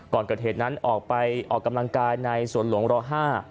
ก่อนเกิดเหตุนั้นออกไปออกกำลังกายในสวนหลวงร๕